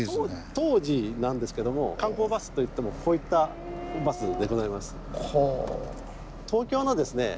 当時なんですけども観光バスといってもこういったバスでございます。